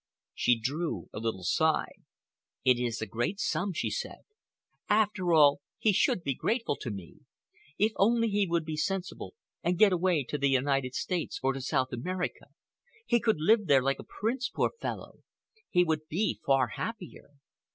She drew a little sigh. "It is a great sum," she said. "After all, he should be grateful to me. If only he would be sensible and get away to the United States or to South America! He could live there like a prince, poor fellow. He would be far happier."